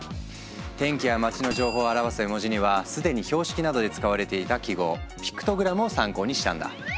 天気や街の情報を表す絵文字には既に標識などで使われていた記号ピクトグラムを参考にしたんだ。